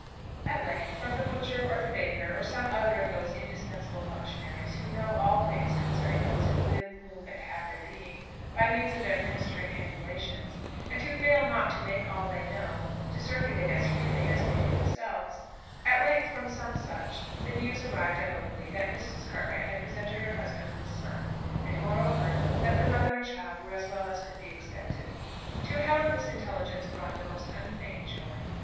At length, from the butcher, or the baker, or some other of those indispensable functionaries who know all things concerning those who live, move, and have their being, by means of their ministering ambulations, and who fail not to make all they know to circulate as freely as they do themselves, at length, from some such the news arrived at Oakley that Mrs. Cartwright had presented her husband with a son; and moreover, that the mother and child were as well as could be expected. To Helen this intelligence brought the most unfeigned joy.